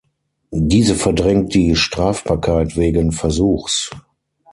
Diese verdrängt die Strafbarkeit wegen Versuchs.